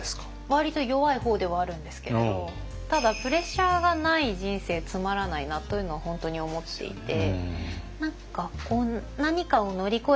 割と弱い方ではあるんですけれどただプレッシャーがない人生つまらないなというのを本当に思っていて。